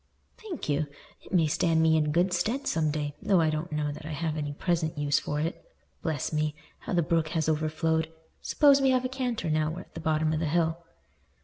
"Thank you. It may stand me in good stead some day though I don't know that I have any present use for it. Bless me! How the brook has overflowed. Suppose we have a canter, now we're at the bottom of the hill."